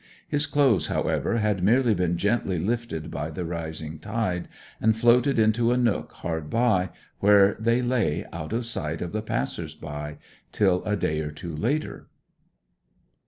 His clothes, however, had merely been gently lifted by the rising tide, and floated into a nook hard by, where they lay out of sight of the passers by till a day or two after.